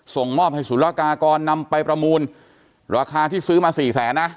ส่งมอบให้สุรกากรนำไปประมูลราคาที่ซื้อมา๔๐๐๐๐นะ